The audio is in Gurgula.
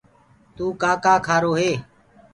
توُ ڪآ کآ کآرو هي؟